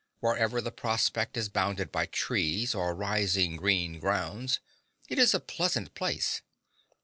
Wherever the prospect is bounded by trees or rising green grounds, it is a pleasant place.